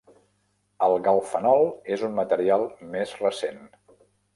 El galfenol és un material més recent.